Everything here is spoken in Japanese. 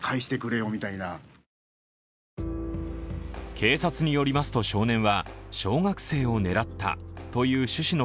警察によりますと少年は小学生を狙ったという趣旨の